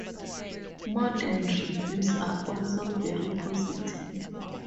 Modern reviews are also very positive.